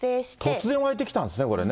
突然湧いてきたんですね、これね。